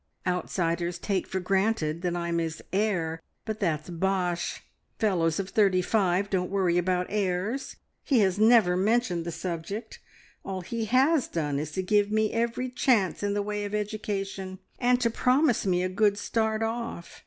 Outsiders take for granted that I'm his heir, but that's bosh. Fellows of thirty five don't worry about heirs. He has never mentioned the subject; all he has done is to give me every chance in the way of education, and to promise me a good `start off.'